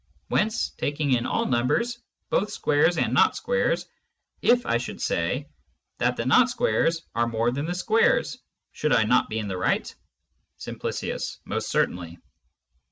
Whence taking in all Numbers, both Squares and Not Squares, if I should say, that the Not Squares are more than the Squares, should I not be in the right }" Simp. Most certainly.